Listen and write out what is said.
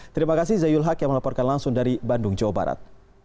terima kasih zayul haq yang melaporkan langsung dari bandung jawa barat